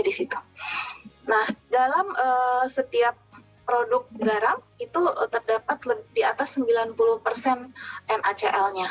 di dalam setiap produk garam terdapat lebih dari sembilan puluh nacl